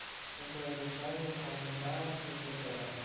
Dentro del estadio hay un bar y un restaurante.